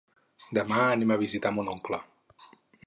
Demà anem a visitar mon oncle.